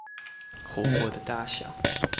湖泊的大小